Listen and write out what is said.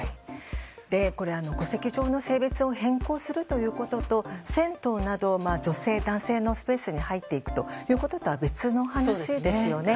これは戸籍上の性別を変更するということと銭湯など女性・男性のスペースに入っていくこととは別の話ですよね。